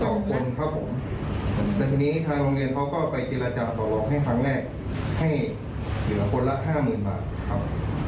ซึ่งผู้ประกองเห็นว่ามันเยอะเกินไปครับ